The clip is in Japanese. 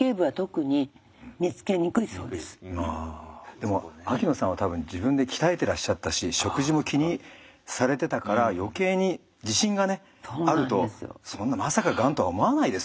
でも秋野さんは多分自分で鍛えてらっしゃったし食事も気にされてたから余計に自信があるとそんなまさかがんとは思わないですもんね。